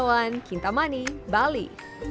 tuan tuan kintamani bali